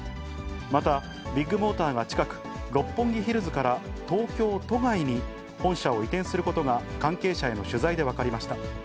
また、ビッグモーターが近く、六本木ヒルズから東京都外に本社を移転することが、関係者への取材で分かりました。